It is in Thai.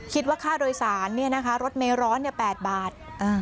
คิดว่าค่าโดยศาลรถเมฆร้อน๘บาท